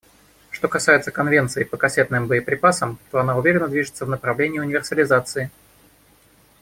Что касается Конвенции по кассетным боеприпасам, то она уверенно движется в направлении универсализации.